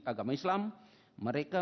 agama islam mereka